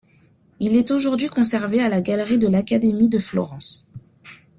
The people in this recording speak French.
Il est aujourd'hui conservé à la galerie de l'Académie de Florence.